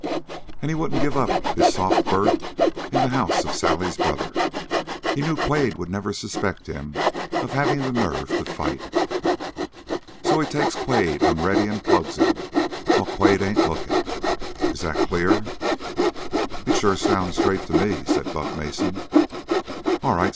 And he wouldn't give up his soft berth in the house of Sally's brother. He knew Quade would never suspect him of having the nerve to fight. So he takes Quade unready and plugs him, while Quade ain't looking. Is that clear?" "It sure sounds straight to me," said Buck Mason. "All right!